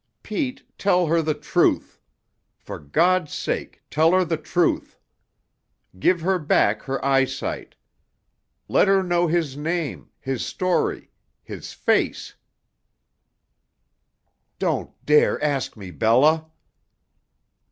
Pete, tell her the truth. For God's sake, tell her the truth. Give her back her eyesight. Let her know his name, his story his face!" "Don't dare ask me, Bella!"